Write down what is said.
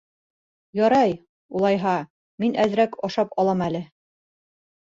— Ярай, улайһа, мин әҙерәк ашап алам әле.